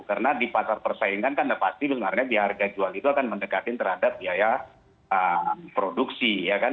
karena di pasar persaingan kan pasti sebenarnya biaya harga jual itu akan mendekatin terhadap biaya produksi ya kan